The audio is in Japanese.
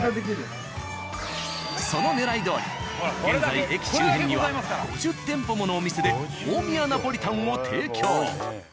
そのねらいどおり現在駅周辺には５０店舗ものお店で大宮ナポリタンを提供。